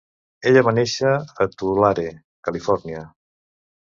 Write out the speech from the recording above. Ella va néixer a Tulare, Califòrnia.